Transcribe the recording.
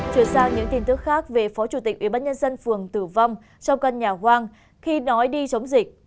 chuyển sang những tin tức khác về phó chủ tịch ubnd phường tử vong trong căn nhà hoang khi nói đi chống dịch